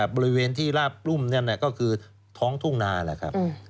บริเวณที่ลาบปลุ้มนั่นก็คือท้องทุ่งนาแหละครับ